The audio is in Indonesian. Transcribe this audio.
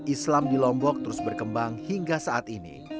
islam di lombok terus berkembang hingga saat ini